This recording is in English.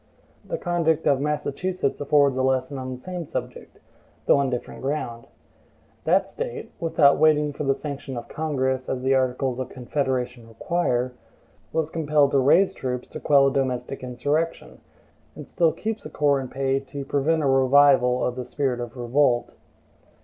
The conduct of Massachusetts affords a lesson on the same subject, though on different ground. That State (without waiting for the sanction of Congress, as the articles of the Confederation require) was compelled to raise troops to quell a domestic insurrection, and still keeps a corps in pay to prevent a revival of the spirit of revolt.